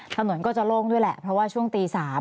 ถนนก็จะโล่งด้วยแหละเพราะว่าช่วงตี๓